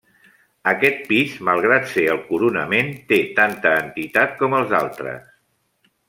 Aquest pis, malgrat ser el coronament, té tanta entitat com els altres.